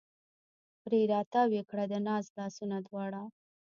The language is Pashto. پرې را تاو یې کړه د ناز لاسونه دواړه